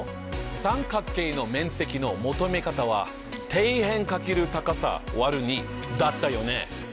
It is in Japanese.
三角形の面積の求め方は「底辺×高さ÷２」だったよね。